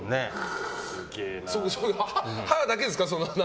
歯だけですか？